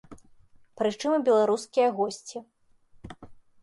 Прычым і беларускія госці.